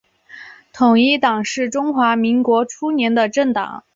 统一党是中华民国初年的政党。